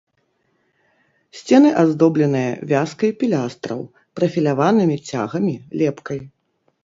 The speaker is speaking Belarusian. Сцены аздобленыя вязкай пілястраў, прафіляванымі цягамі, лепкай.